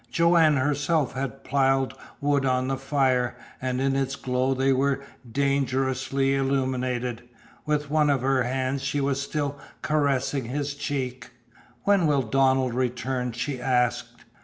Joanne herself had piled wood on the fire, and in its glow they were dangerously illuminated. With one of her hands she was still caressing his cheek. "When will Donald return?" she asked.